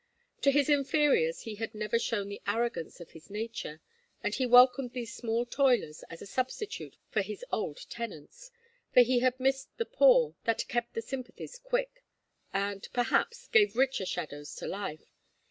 To his inferiors he had never shown the arrogance of his nature, and he welcomed these small toilers as a substitute for his old tenants; for he had missed the poor that kept the sympathies quick and, perhaps, gave richer shadows to life.